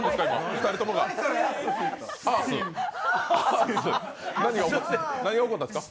２人ともが何が起こったんですか？